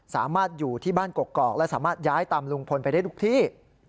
สามารถอยู่ที่บ้านกกอกและสามารถย้ายตามลุงพลไปได้ทุกที่